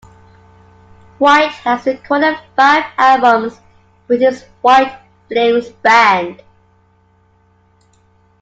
White has recorded five albums with his White Flames band.